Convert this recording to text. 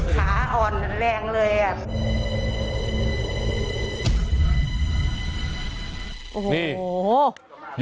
ขาอ่อนแรงเลย